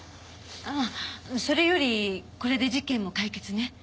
それよりこれで事件も解決ね。